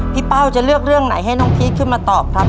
เป้าจะเลือกเรื่องไหนให้น้องพีชขึ้นมาตอบครับ